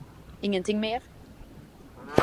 Ingenting mer?